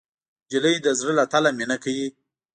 نجلۍ د زړه له تله مینه کوي.